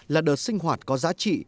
là đợt sinh hoạt có giá trị